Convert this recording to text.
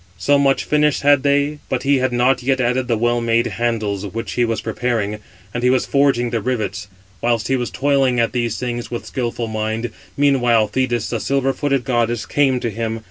So much finish had they, but he had not yet added the well made handles, which he was preparing; and he was forging the rivets. Whilst he was toiling at these things with, skilful mind, meanwhile Thetis, the silver footed goddess, came to him.